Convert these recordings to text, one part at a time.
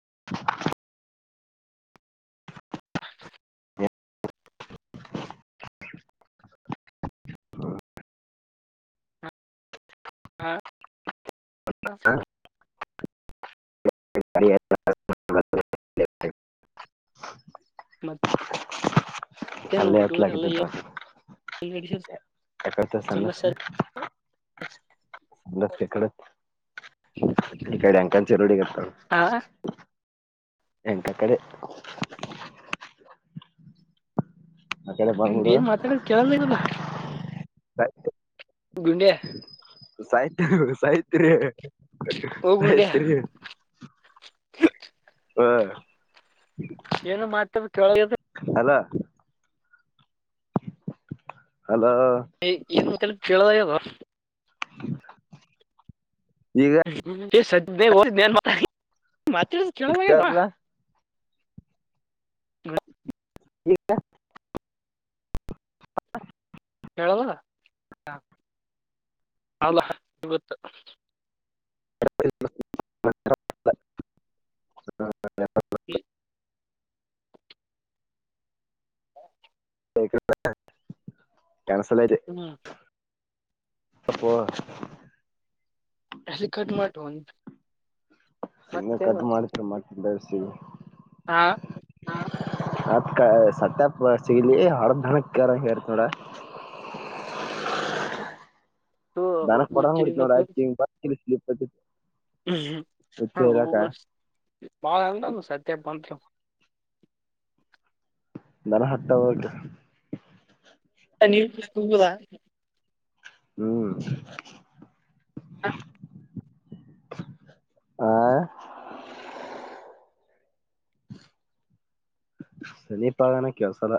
[inaudible] ಹಾ. [unintelligible] [inaudible] ಮತ್ತ. ಪಲ್ಯ ಹಚಲಾಕತಿನಿ ದೋಸ್ತ. ನಡೀ ಯಾ ಯಾಕ ಹೆಚಲತಿ ಸಣ್ಣ. ಸಮಸ್ಯೆ [unintelligible] [unintelligible] ಕಡೆ ಅಂಕಚಿ ರೋಡ್ಡಿ ಗೆ. ಹಾ. ಎಂತ ಕಡೆ. ಹ [unintelligible] ಆ ಕೆಳ ನಿಮ್ದ ಬಬಡುವ ಏನ್ ಮಾತಾಡೋದು ಕೇಳಲ್ಲ [unintelligible] ಗುಂಡಿಯ [unintelligible] ಸಾಯತ್ ಸಾಯತ್ರಿ ಸಾಯತ್ರಿ [unintelligible] ಹ [unintelligible] ಹಾ ಏನು ಮಾಡ್ತೇ ಕೆೇಳಗೆ [unintelligible] ಹಲೋ ಹಲೋ ಇಲ್ [unintelligible] ಕೇಳದಾಗದ ಈಗ ಸ ಜ್ [unintelligible] ಮಾಡ ಮಾತ ಕೇಳ್ತದ? ಹ್ಮ [unintelligible] ಸ [unintelligible] ಹ [unintelligible] ಹೇಳಲ್ಲ ಹ ಅಲ್ಲ ಗತ್ತು [unintelligible] ಹ್ಮ [unintelligible] ಹ್ಮ [unintelligible] ಹಾ [unintelligible] ಕನ್ಸಲ್ ಆಯತೆ ಹ್ಮ್ [unintelligible] ಅಬ [unintelligible] ಅೆ ಕಟಮಟ್ ಹನ್ [unintelligible] ಸುನೆ ಕಟ್ ಮಾಡತ ಮಾಡ ಬಸ ಹಾ [inaudible] ಅತ್ ಸತ್ಯಪ ಸಿಗಲಿ ಹರದಧನ ಹೇರ್ ನೋಡ [unintelligible] [unintelligible] ದರಕ್ ಕೊಡಂಗ್ ಉಜ್ಜಿ ಬಿಡತತ್ ನೋಡ ಸ್ಲಿಪ್ ಐತಿ [inaudible] ಹುಚ್ಚ ಇರಾಕ ಬಾಳ ಸತ್ಯ [unintelligible] ಬಂಂತ ನರ [unintelligible] ಹತ್ತ ಹಕ ನೀುದಾ [unintelligible] ಹ್ಮ್ [inaudible] ಹ [unintelligible] ಆ [inaudible] ಸಮೀಪಗನ ಕೆಲಸಲ್ಲ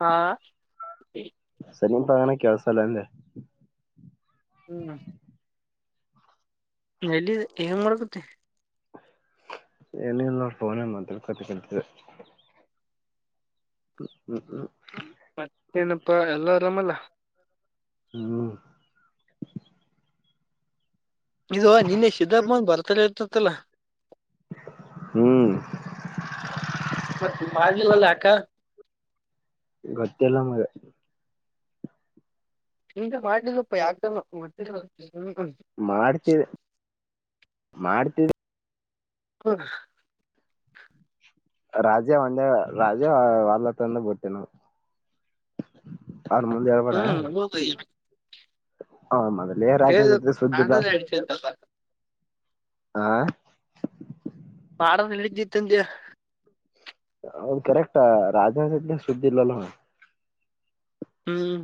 ಹಾ [inaudible] ಸರಿನ್ ಪಗಣ [unintelligible] ಕೆಲಸ ಅಲ್ಲ ಅಂದೆ ಹ್ಮ್ [inaudible] ಎಲ್ಲಿ ಹೆಂಗ ಮಾಡ್ಕತಿ ಏನಿಲ್ಲ ಫೋನಲ್ಲಿ ಮಾತಾಡ್ತಾ ಕುಂತಿದ್ದೆ ಹ್ಮ್ ಹ್ಮ್ ಹ್ಮ್ [inaudible] ಮತ್ತೆ ಏನಪ್ಪಾ ಎಲ್ಲಾ ಆರಾಮಲ್ಲ ಹ್ಮ ಇದು ನಿನ್ನೆ ಸಿದ್ದಪ್ಪನ್ ಬರ್ತಡೇ ಇರ್ತತ್ತಲ್ಲ ಹ್ಮ್ [inaudible] ಮತ್ತೆ ಮಾಾಗಿಲಲ್ಲ ಅಕ್ಕ ಗೊತ್ತ ಎಲ್ಲ ಮ ಹ ಮಾಡ್ಲಿ ಸ್ವಪ್ಪ ಯಾಕ [inaudible] ಮಾಡ್ತವಿ ಮಾಡ್ತವಿ ಹ [unintelligible] ರಾಜೆ ಒಂದೇ ರಾಜೆ ವಲ್ಲ [unintelligible] ತಂದ ಬಟ್ಟೇ ನಾವು ಅವರ ಮುಂದೆ ಹೇಳಬೇಡ ಹ್ಮ್ ಹೌದು ಮಾಡೋದ್ ಲ್ಲೇ ರಾಜನ ಜ ಸುದ್ದಿಲ್ಲ [unintelligible] ಹೇಳ್ತಲ್ಲ ಆಾ [inaudible] ಆಡ ನಡಿದಿತ್ತುಂದ ಅವದು ಕರೆಕ್ಟ್ ರಾಜ ಸುದ್ದಿಲ್ಲಲ್ಲ ಅವ ಹ್ಮ್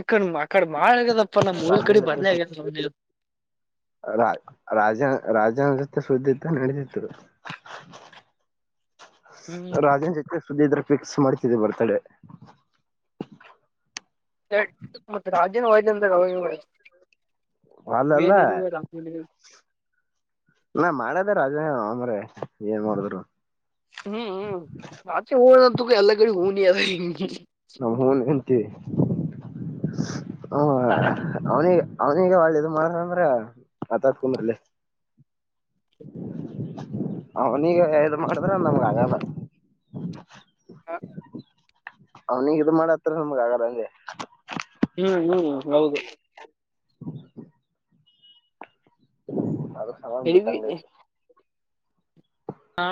ಈಕ ಆಕಡೆ ಮಾಡಳ ಆಗ್ಯದಪ್ಪ ನಮ್ಮ ಮೂಊಲ್ ಕಡೆ ಬರ್ಲ ಆಗ್ಯದ ರ ರಾಜ ರಾಜನೃತ್ತ ಸುದ್ದಿಂದ ನಡೆಸಿದರು ಹ್ಮ್ ರಾಜೇನ್ ಜೊತೆ ಸುದ್ದಿ ಇದ್ರೆ ಫಿಕ್ಸ್ ಮಾಡ್ತಿದ್ದ ಬರ್ತಾಡೆ ಮತ್ತೆ ರಾಜೇನ ವಯ್ದ ಅಂದ್ರ ಅಲ್ಲ ನಾ ಮಾಡದ ರಾಜ ಆಮ್ರ ಏನ್ ಮಾಡಿದ್ರು ಹ್ಮ್ ಹ್ಮ್ ಮಚೆ ಹಂತು ಎಲ್ಲ ಕಡೆ ಹಊನ ಅ ಹ ಹ್ಮ್ ಅವನ ಅವನಗ ಒಳ್ಳಿದ ಮಾಡಂದ್ರ ಆತ ಕುಂದಲ್ಲಿ ಹ ನೀಗ ಇದು ಮಾಡುದ್ರ ನಮ್ಗ ಆಗಲ್ಲ ಹ ಅವನಿಗ ಇ ಮಾಡತ್ತಾರ ನಮಗ ಆಗದಂಗೆ ಹ್ಮ್ ಹ್ಮ್ ಹೌದು ಹ ಆದ್ರ ಸಮನ್ ಎ ಬಿಟ್ಟಂಗೈತು ಹಾ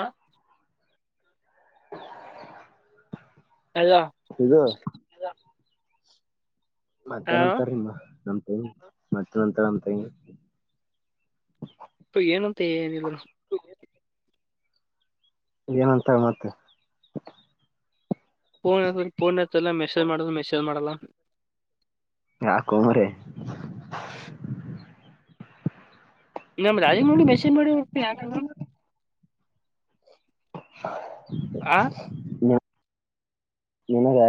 ಅಲ್ಲ ಇಗ ಹಾ ಮತ್ತೆನಂತಾರಮ್ಮ ನ ಮತ್ತೆ ನಂತರ ಅಂತ ಸ ಏನಂತ ಏನಿಲ್ಲರು ಏನಂತ ಮತ್ತೆ ಫೋನ್ ಫೋನ್ ಹತ್ತ ಎ ಮೆಸೇಜ್ ಮಾಡ್ರ್ ಮೆಸೇಜ್ ಮಾಡಲ್ಲ ರಾಕು ಮ ರ ನಮ್ಮ ರಾಜಮೌಳಿ ಮೆಸಿನ್ ಮಳಿ ಯ ಮ್ ಹಾ ಆ ಕನು ಯ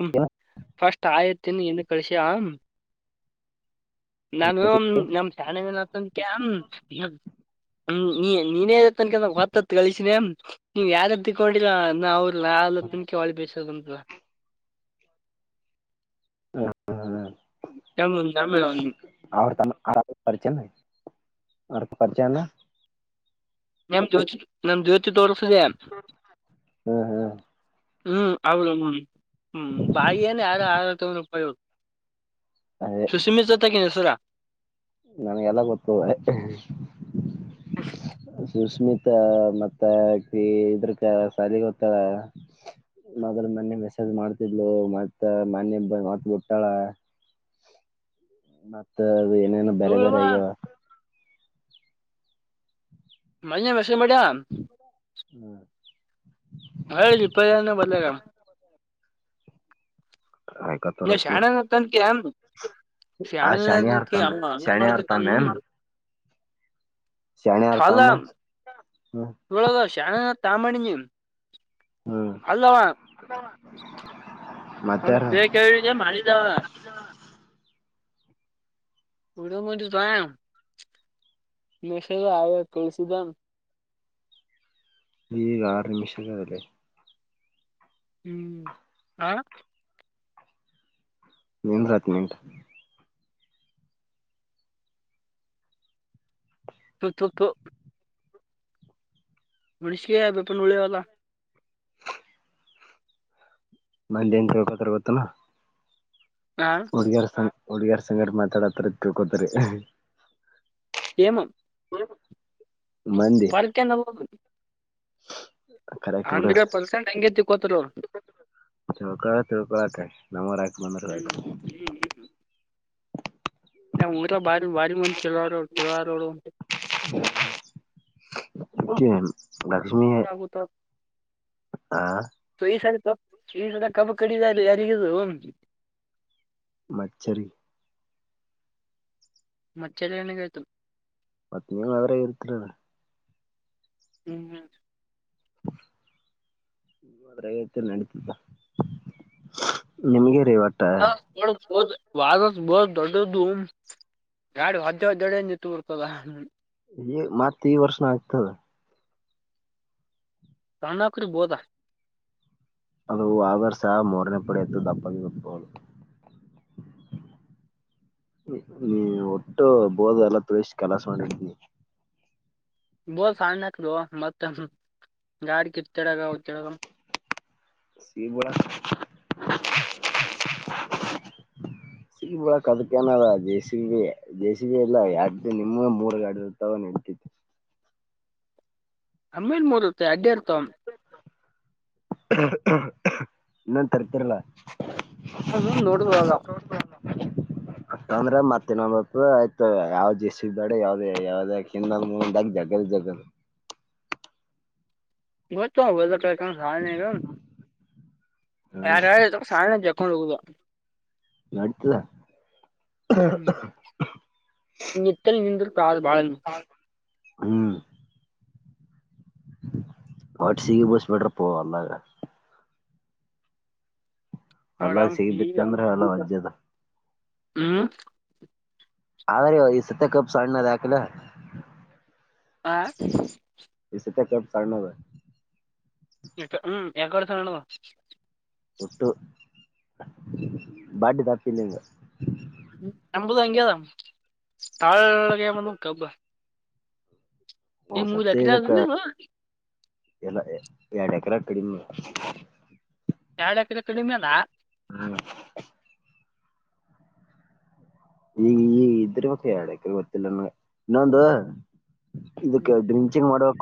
ಹ್ಮ ಫಸ್ಟ್ ಆಯತ್ತಿನ ಎಂದುದ ಕಳಸಿ ಆಂ ನಾನು ನಮ ಶಾಣೆತ ನೀ ನೀನೇ ಮತ್ತನ ಹತ್ತ ಕಳಿಸಿನೇ ನೀವ್ ಯಾರ ತಕೊಂಡಿರ ನ ಅವ್ರ ನ ತಿನಕ ಹೊಳಿ ಬೇಸೋದಂತ ಹ ಹ ಹಾ ನಮ್ ನಮ್ ಆವಡ್ತಾನ ಆರಾಮ ಪಚ ಆಕ ಪಾರಜನಾ ನಮ್ ಜೋತಿ ನಮ್ ಜ್ಯೋತಿ ತೋಲ್ ಹ್ಮ್ ಹ್ಮ್ ಹ್ಮ್ ಅವಳ ಹ್ಮ ಹ್ಮ್ ಬಾಗಿಯನ ಯಾರು ಆ ತಾವ ರೂಪಾಯಿ ಸುಸಿಮಿತ ಜತೆಕ ನಸವರ ನನ್ಗೆಲ್ಲ ಗೊತ್ತದೆ ಸುಶ್ಮತ್ ಮ ಮತ್ತ ಇದ್ರಕ ಸಾಲಿಗೆ ಗೊತ್ತ ಮದ್ರ ಮೊನ್ನಿ ಮೆಸೇಜ್ ಮಾಡ್ತಿದ್ಲು ಮತ್ತ ಮನೆಬ್ಬ ಮತ್ ಬಿಟ್ಟಾಳ ಮತ್ತ ಅದು ಏನೇನು ಬೇರೆ ಬೇರೆ ಆಗ್ಯಾವ [unintelligible] ವಿಷ ಮಾಡಾ ಹ್ಮ್ ಹೇಳ ಇಪ್ಪನ ಬರ್ಲರ ಆಕ ನೀ ತರು ಶಾಣೆನತ್ತನ್ಕ ಆ ಶನಿ ಶಾಣೆನಕ ಆರ್ತಮ್ಮೆ ಅವ ಅವನ್ ಶನಿ ಮಾಡ್ಬೇಕ ಆರ್ತಮ್ಮೆ ನು ನಾನು ಶಣಿ ಆರ್ತಮ್ಮ ಹ್ಮ ಇಳದ ಶಾನ ತಾಮಣನ್ ಹ್ಮ ಹ ತ ಕ ಮಾಡಾರಿದವ ಡ ಮೆಸೇಜ್ ಹಾಯ್ ಅಂತ ಕಳ್ಸದ್ದ ಈ ಆರು ನಿಮಿಷಕ್ಕ ಲೇ ಹ್ಮ್ ಆ ಎನ್ರ ಹದಿನೆಂಟು ತ್ತೂ ತ್ತು ತ್ತೂ ಮನುಷಿಗೆ ಅದುಬಪಳ್ಳವಲ್ಲ. ಮಂದಿ ಎನ್ ತಿಳಕೊತಾರ ಗೊತ್ತೆ ಏನಾ? ಹ ಹುಡುಗಿಯರ ಸಂ ಹುಡುಗಿಯರ ಸಂಗಟ ಮಾತಾಡತ್ರ ತಿಳ್ಕೋತರಿ ಏನು [unintelligible] ಮಂದಿ ಫರ್ಕೆ ನಬೋದು [unintelligible] ಹಂಡ್ರೆಡ್ ಪರ್ಸೆಂಟ್ ಹೆಂಗೇತಿ ಕೋತರ ತಿಳಕೊರ ತಿಳಕೊರಾಕ ನಮಗ ರಕ್ಕ ಬಂದ್ರ ಆತ್. ಹ್ಮ್ ನಿಮ್ಮ ಊರ ಭಾರಿ ಭಾರಿ ಮಂದ ಚಳುವ ಆವಾರೋ. ಕೆ ಲಕ್ಷ್ಮಿ ಆಗುತ್ತ ಆ ಈಸತೆ ದೆಲ್ಲಾ ಕಬ್ಬು ಕಡಿದಲ್ಲ ಯಾರಿಗ ಹೊ? ಮಚ್ಚ ರಿ ಗೆ ಮಚ್ಚರಿ ಅಣ್ಣಾಗೆ ಆಯ್ತು ಮತ್ತೆ ನೀವ್ ಅದರಾಗ ಇರತಿರಲ್ಲ. ಹ್ಮ್ ಹ್ಮ ಇತ್ರಗತ ನಡತಿದ್ದಾ ನಿಮಗೆ ಹಾ ಒ ಹೌದು ವಾಹದ ವಸ್ರ ದೊಡ್ಡದ್ದು ಗಾಡಿ ಹೊ್ದದ್ದಡ ನಿತ್ತು ಬರ್ತದ ಈ ಮತ್ ಈ ವರ್ಷನ ಆಯ್ತದ ರ್ಣಕರಿ ಬೋದಾ ಅದು ವಾದರ್ಶ ಮೂರನೇ ಪಡೆಯತ್ತುು ದಪ್ಪಾಗಿ ಗತ್ತಬಹುದು ನೀ ಒಟ್ಟು ಬೋದ ಎಲ್ಲ ತುಳಸ ಕೆಲಾಸ ಮಾಡಿರ್ತೀನಿ ಬೋಲ್ ಸಣ್ಣಕ್ದು ಮತ್ತ ಗಾಡ ಕಿ [unintelligible] [unintelligible] ಸಿಗ ಬಿಳ ಕದಕನದ ಜೇಸ ಬಿ ಜೇಸಿಬ ಎಲ್ಲ ಯಡ್ ನಿಮ ಮೂರ್ಗಾಡಿ ಇರ್ತ್ತವ ನೆಡಿತಿ [unintelligible] ನಮ್ಮೇನ್ ಮೂರತ್ತೆ ಯಾಡ್ಡ ಇರ್ತವ ಇನ್ನೊಂದು ತರ್ತಿರ್ಲ ಹ ಹ ನೋಡದು ಆಾಗ [unintelligible] ಅ ಅಂದ್ರೆ ಮತ್ತೆ ನತ್ತು ಆಯ್ತು ಯಾವ್ದ್ ಎಸ್ಸ್ದಾಡ ಯಾವ್ದ ಯಾವ್ದ ಹಿಂದ ಮುಂದಾಗ ಜಗ ಜಗದು ಇವತ್ತು [unintelligible] ಹ್ಮ್ ಯಾರ ಯಾರ ತ ಸಾವ ಜಕ್ಕಂಡ ಹೋಗೋದ ನಡ್ತದಾ ನಿತ್ತಲ್ ನಿಂತ ಪ್ರಾ ಕಾಲ ಹ್ಮ್ ವಟ್ಸಿಗೆ ಸಿಗಿ ಬಳಸ ಬಿಡ್ರಪ್ಪ ಅಲ್ಲಾಗ ನೋಡ ಅಲ್ಲಾ ಸಿಗಿ ಈಗ ಬಿತ್ತ ಅಂದ್ರೆ ಎಲ್ಲ ಒರ್ಜದ ಹ್ಮ್ ಹ ರ ಈ ಸತ್ತ ಕಬ್ ಸ್ಣ ನ ದಾಖಲ್ಲ ಆ ಈ ಸತ ಕಪ್ [unintelligible] ಹ್ಮ್ ಯಾಕರ್ತ ನಣುವ ಒಟ್ಟು ಬಡ್ಡಿ ದಪ್ಫೀಲಿಂಗ್ ನಮ್ದು ಹಂಗೆ ಅದ ತಾಳಗೆ ಬಂದದ ಕಬ್ಬ ಹ್ಮ ಈ ಮೂರ್ ಸತ್ಯ ಎಕರೆ ಅದ ಇದಕ್ಕೆ ನೀವು ಎಲ್ಲ ಎರಡು ಎಕರೆ ಕಡಿಮೆ ಎಡ ಎಕರೆ ಕಡಿಮೆಲ್ಲ ಹ್ಮ್ ಈಗ ಈ ಇದ್ರ ಬಕ ಗೊತಿಲ್ಲ ನನಗ ಇನ್ನೊಂದು ಹ್ಮ್ ಇದಕ್ಕೆ ಡ್ರಿಂಚಿಂಗ್ ಮಾಡುಬೇಕ್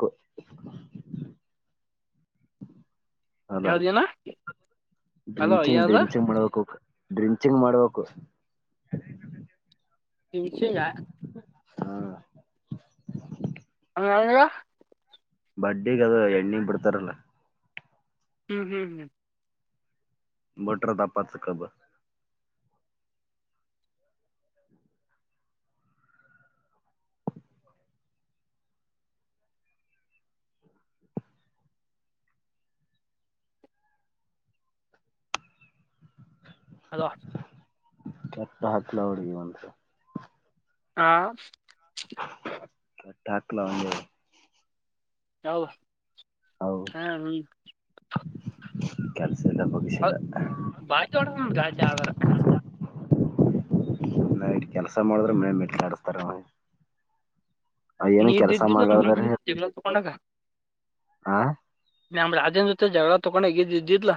ಅದಾ ಯಾವ್ದೇನ ಅಲೋ ಡ್ರಿಂಚಿಂಗ್ ಯಾವ್ದ ಡ್ರಿಂಚಿಂಗ್ ಮಾಡಬೇಕು ಡ್ರಿಂಚಿಂಗ್ ಮಾಡ್ಬೇಕು ನಿ ವಿಷಯಂಗ ಹಾ [unintelligible] ಬಡ್ಡಿಗ್ ಅದು ಎಣ್ಣಿಗ್ ಬಿಡ್ತಾರಲ್ಲ. ಹ್ಮ್ ಹ್ಮ್ ಭಟ್ರು [unintelligible] ಅಲೋ ಕೆಟ್ಟ ಹತ್ತುಲ ಒಡಗ ಒಂದುಸ ಹಾ [unintelligible] ಒಂದ ಹೌದು ಹಾ ಹ [inaudible] ಹೌ ಬಗ್ಸಿಲ್ಲ ಬಾಜ ಒಳ ರಾಜ ಜಾವದರಸ ನೈಟ್ ಕೆಲ್ಸ ಮಾಡಿದ್ರೆ ಮೆ ಮೆಟ್ಲ ಆಡಿಸತಾರ ಅವ ಅ ಏನು ನೀ ಕೆಲ್ಸ ಇದ್ದಿದ್ದಿಲ್ಲ ನಮ್ ರಾಜನ್ ಮಾಡ್ತಾಳ್ರಾಡನೆ ಜೊತೆ ಜಗಳ ತಕೊಂಡಾಗ ಹಾ ನಳ ಅದೇನ್ ಜೊತೆ ಜಗಳ ತೊೊಂಡ ಹಗಿದ್ದ ಇದಿದ್ಾ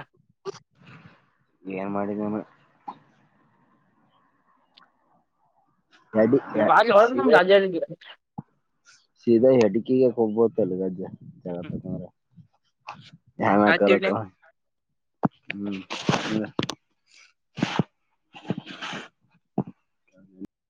ಏನ್ ಮಾಡಿದ ನನ ಎಡಿ ಬಾಗಿ ಹೊದು ನಮ ಸೀದಾ ರಾಜ್ಯ ಸೀದಾ ಹೆಡಕೀಗೆ ಹೋಗ್ಬೋತ್ತಲ್ಲಿ [unintelligible] [unintelligible] [unintelligible] ಆಯ್ತಿಡ್ಲಿ ನ್ಕಾರಕ್ಕ ಹ್ಮ್ ಇಲ್ಲ [inaudible]